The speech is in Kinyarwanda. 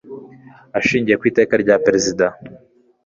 Ashingiye ku Iteka rya Perezida